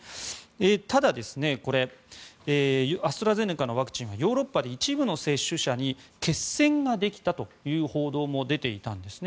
ただアストラゼネカのワクチンはヨーロッパで一部の接種者に血栓ができたという報道も出ていたんですね。